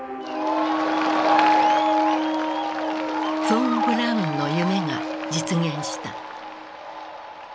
フォン・ブラウンの夢が実現した。